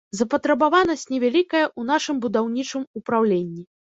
Запатрабаванасць невялікая ў нашым будаўнічым упраўленні.